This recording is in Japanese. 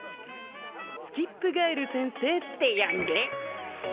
スキップガエル先生って呼んで。